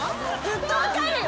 ・ずっと赤いよ。